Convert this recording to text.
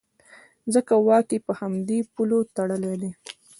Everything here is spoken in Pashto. ځکه واک یې په همدې پولو تړلی دی.